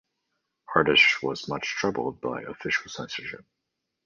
Arteche was much troubled by official censorship.